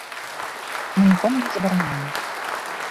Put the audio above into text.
Мы нікому не забараняем.